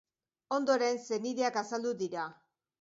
Ondoren, senideak azaldu dira.